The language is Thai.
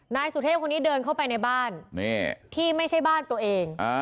นายสุเทพคนนี้เดินเข้าไปในบ้านที่ไม่ใช่บ้านตัวเอง